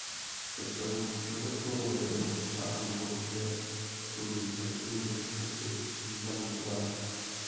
Představují všeobecnou rezervu státní policie a slouží k zajištění bezpečnosti významných událostí.